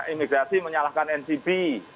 imigrasi menyalahkan ncb